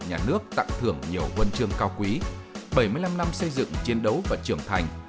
nhà nước tặng thưởng nhiều huân chương cao quý bảy mươi năm năm xây dựng chiến đấu và trưởng thành